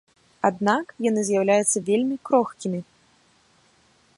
Аднак, яны з'яўляюцца вельмі крохкімі.